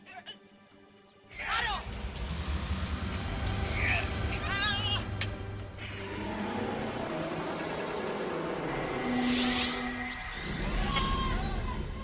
kadir gak apa apa